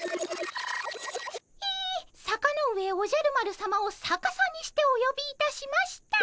「さかのうえおじゃるまるさま」をさかさにしておよびいたしました。